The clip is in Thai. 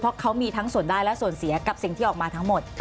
เพราะเขามีทั้งส่วนได้และส่วนเสียกับสิ่งที่ออกมาทั้งหมด